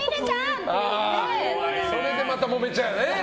それでまたもめちゃうね。